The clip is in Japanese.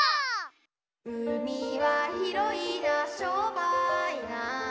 「うみはひろいなしょっぱいな」